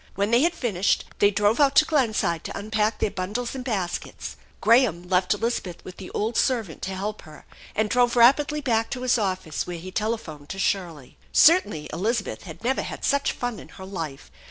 When they had finished they drove out to Glenside to unpack their bundles and baskets. Graham left Elizabeth with the old servant to help her, and drove rapidly back to his office, where he telephoned to Shirley. Certainly Elizabeth had never had such fun in her life.